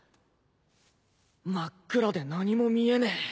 真っ暗で何も見えねえ。